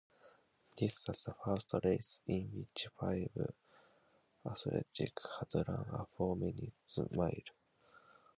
This was the first race in which five athletes had run a four-minute mile.